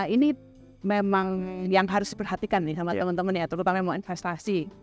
ini memang yang harus diperhatikan nih sama teman teman ya terutama yang mau investasi